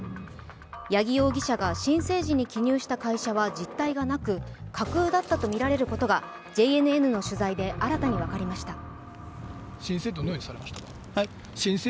矢木容疑者が申請時に記入した会社は実態がなく架空だったとみられることが、ＪＮＮの取材で新たに分かりました。